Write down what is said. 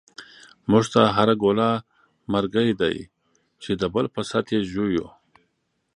مونږ ته هر گوله مرگۍ دۍ، چی دبل په ست یی ژوو